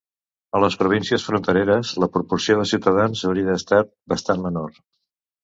A les províncies frontereres, la proporció de ciutadans hauria estat bastant menor.